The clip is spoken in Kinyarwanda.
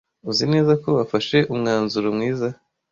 Uzi neza ko wafashe umwanzuro mwiza?